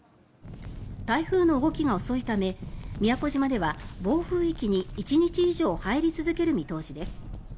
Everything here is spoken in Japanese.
台風の動きが遅いため宮古島では暴風域に１日以上入り続ける見通しです。